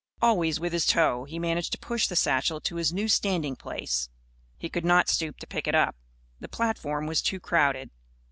Always, with his toe, he managed to push the satchel to his new standing place. He could not stoop to pick it up. The platform was too crowded.